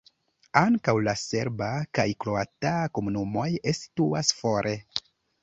Ankaŭ la serba kaj kroata komunumoj situas fore.